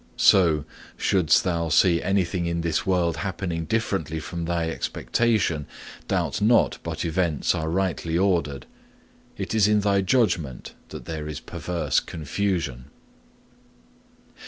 So, shouldst thou see anything in this world happening differently from thy expectation, doubt not but events are rightly ordered; it is in thy judgment that there is perverse confusion.